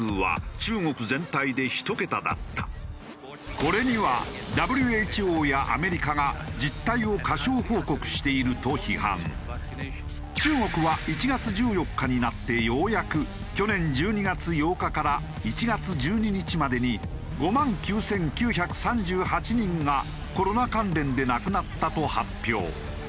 これには中国は１月１４日になってようやく去年１２月８日から１月１２日までに５万９９３８人がコロナ関連で亡くなったと発表。